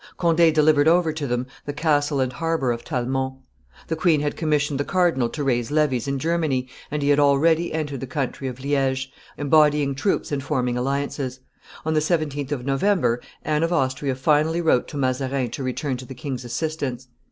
Conde delivered over to them the castle and harbor of Talmont. The queen had commissioned the cardinal to raise levies in Germany, and he had already entered the country of Liege, embodying troops and forming alliances. On the 17th of November, Anne of Austria finally wrote to Mazarin to return to the king's assistance.